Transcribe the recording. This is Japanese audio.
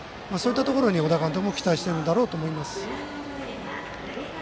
そういうところに小田監督も期待しているんだろうと思います。